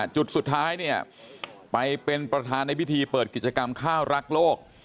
จุดสุดท้ายเนี่ยไปเป็นประธานในพิธีเปิดกิจกรรมข้าวรักโลก